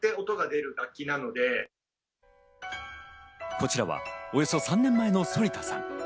こちらはおよそ３年前の反田さん。